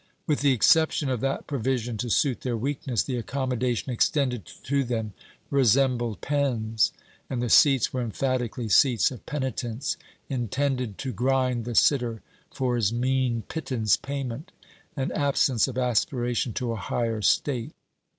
With the exception of that provision to suit their weakness, the accommodation extended to them resembled pens, and the seats were emphatically seats of penitence, intended to grind the sitter for his mean pittance payment and absence of aspiration to a higher state.